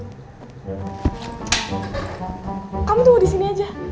kamu tuh disini aja